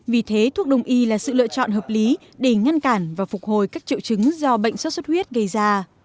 vì thế thuốc đông y là sự lựa chọn hợp lý để ngăn cản và phục hồi các triệu chứng do bệnh xuất xuất huyết gây ra